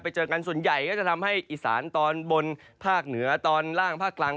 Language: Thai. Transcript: เจอกันส่วนใหญ่ก็จะทำให้อีสานตอนบนภาคเหนือตอนล่างภาคกลาง